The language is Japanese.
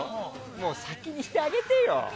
もう先にしてあげてよ。